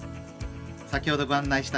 先ほどご案内した